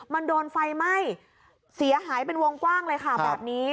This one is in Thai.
มันโดนไฟไหม้เสียหายเป็นวงกว้างเลยค่ะแบบนี้